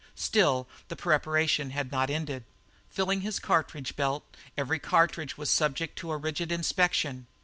Still the preparation had not ended. Filling his cartridge belt, every cartridge was subject to a rigid inspection.